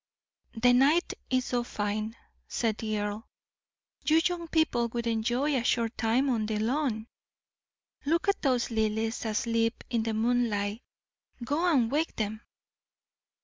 "The night is so fine," said the earl, "you young people would enjoy a short time on the lawn. Look at those lilies asleep in the moonlight go and wake them.